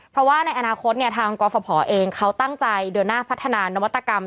เพราะว่าในอนาคตเนี่ยทางกรฟภเองเขาตั้งใจเดินหน้าพัฒนานวัตกรรม